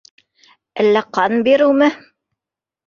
Әллә ҡан биреүме?